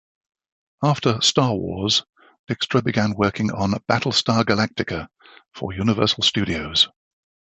After "Star Wars", Dykstra began working on "Battlestar Galactica" for Universal Studios.